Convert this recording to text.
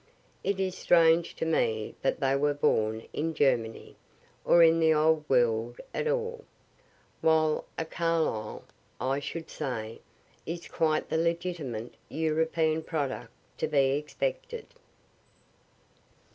It is strange to me that they were born in Germany, or in the old world at all. While a Carlyle, I should say, is quite the legitimate European product to be expected.